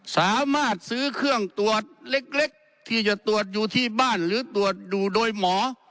สามารถซื้อเครื่องตรวจเล็กที่จะตรวจอยู่ที่บ้านหรือตรวจดูโดยหมอ